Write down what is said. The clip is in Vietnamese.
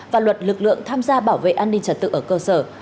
và luật lực lượng tham gia bảo vệ an ninh trật tự ở cơ sở